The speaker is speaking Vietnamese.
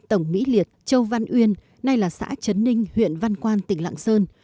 tổng mỹ liệt châu văn uyên nay là xã trấn ninh huyện văn quan tỉnh lạng sơn